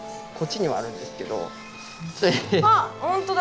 あっ本当だ。